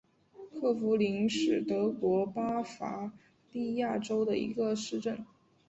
克弗灵是德国巴伐利亚州的一个市镇。